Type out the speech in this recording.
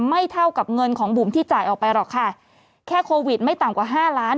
เท่ากับเงินของบุ๋มที่จ่ายออกไปหรอกค่ะแค่โควิดไม่ต่ำกว่าห้าล้าน